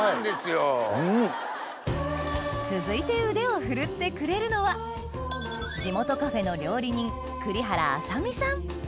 続いて腕を振るってくれるのは地元カフェの料理人栗原麻美さん